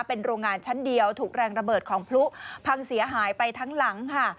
เป็นโรงงานชั้นเดียวถูกแรงระเบิดของพลุพังเสียหายไปทั้งหลังค่ะ